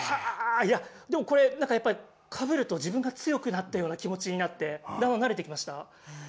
これかぶると自分が強くなったような気持ちになってだんだん慣れてきました。